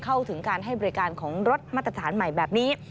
เข้าถึงการให้บริการของรถมาตรฐานใหม่แบบนี้